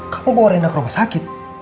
kamu bawa rendang ke rumah sakit